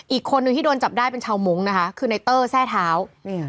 อีกคนนึงที่โดนจับได้เป็นชาวมุ้งนะคะคือในเตอร์แทร่เท้า